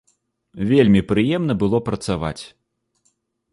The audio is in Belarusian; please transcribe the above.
Вельмі прыемна было працаваць.